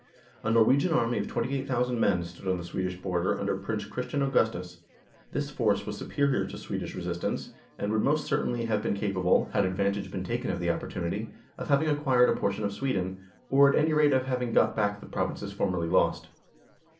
A Norwegian army of 28,000 men stood on the Swedish border under Prince Christian Augustus ; this force was superior to Swedish resistance, and would most certainly 10 NORWAY AND THE UNION WITH SWEDEN have been capable, had advantage been taken of the opportunity, of having acquired a portion of Sweden, or at any rate of having got back the provinces formerly lost.